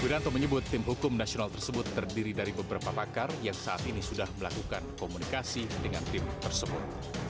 wiranto menyebut tim hukum nasional tersebut terdiri dari beberapa pakar yang saat ini sudah melakukan komunikasi dengan tim tersebut